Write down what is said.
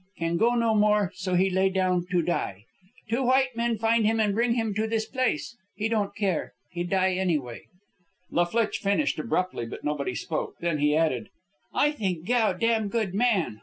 Can go no more, so he lay down to die. Two white men find him and bring him to this place. He don't care. He die anyway." La Flitche finished abruptly, but nobody spoke. Then he added, "I think Gow damn good man."